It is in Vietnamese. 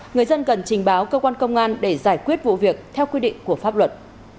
người dân cần trình báo cơ quan công an để giải quyết vụ việc theo quy định của pháp luật